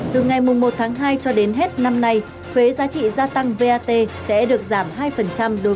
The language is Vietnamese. từ ngày một tháng hai cho đến hết năm nay thuế giá trị gia tăng vat sẽ được giảm hai đối với khu vực